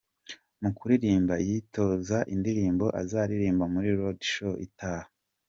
Mu kuririmba, yitoza indirimbo azaririmba muri Roadshow itaha.